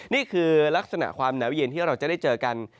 นี่คือลักษณะความหนาวเย็นที่เราจะได้เจอกัน